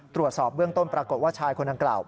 ตรวจสอบเบื้องต้นปรากฏว่าชายคนดังกล่าว